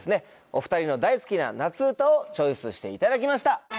お２人の大好きな夏うたをチョイスしていただきました。